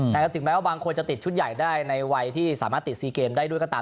ถึงแม้ว่าบางคนจะติดชุดใหญ่ได้ในวัยที่สามารถติดซีเกมได้ด้วยก็ตาม